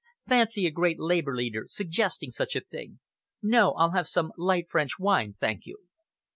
"Fancy a great Labour leader suggesting such a thing! No, I'll have some light French wine, thank you."